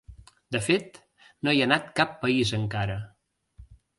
De fet, no hi ha anat cap país encara.